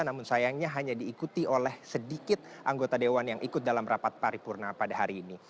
namun sayangnya hanya diikuti oleh sedikit anggota dewan yang ikut dalam rapat paripurna pada hari ini